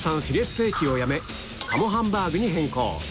フィレステーキをやめ鴨ハンバーグに変更